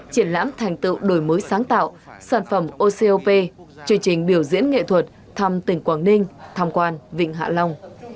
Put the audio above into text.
triển lãm thành tựu đổi mới sáng tạo sản phẩm ocop chương trình biểu diễn nghệ thuật thăm tỉnh quảng ninh thăm quan vịnh hạ long